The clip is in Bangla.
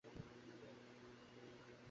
একটি সুন্দর বক্তৃতাও সে দিয়াছিল।